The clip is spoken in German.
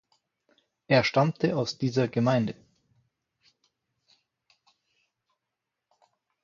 Er stammte aus dieser Gemeinde.